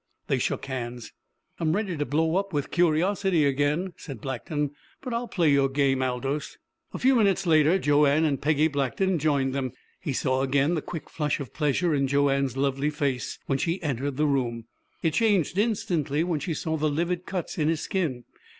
They shook hands. "I'm ready to blow up with curiosity again," said Blackton. "But I'll play your game, Aldous." A few minutes later Joanne and Peggy Blackton joined them. He saw again the quick flush of pleasure in Joanne's lovely face when she entered the room. It changed instantly when she saw the livid cuts in his skin.